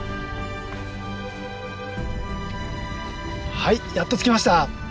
はいやっと着きました。